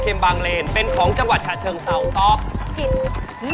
เขาเป็นเพศที่อ่อนหวาน